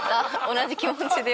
同じ気持ちで。